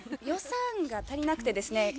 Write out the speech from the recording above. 予算が足りなくてですね